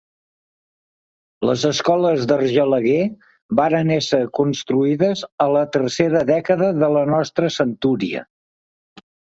Les escoles d'Argelaguer varen ésser construïdes a la tercera dècada de la nostra centúria.